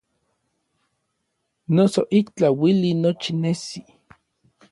Noso ik tlauili nochi nesi.